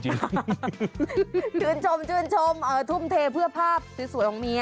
ชื่นชมชื่นชมทุ่มเทเพื่อภาพสวยของเมีย